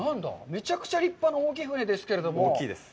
めちゃくちゃ立派な大きい船ですけれども、大きいです。